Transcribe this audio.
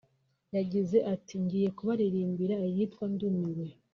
yagize ati “Ngiye kubaririmbira iyitwa Ndumiwe